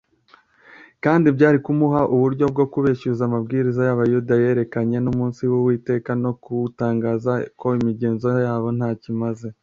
, kandi byari kumuha uburyo bwo kubeshyuza amabwiriza y’Abayuda yerekeranye n’umunsi w’Uwiteka no gutangaza ko imigenzo yabo ntacyo imaze.